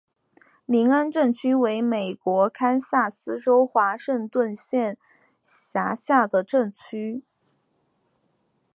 林恩镇区为美国堪萨斯州华盛顿县辖下的镇区。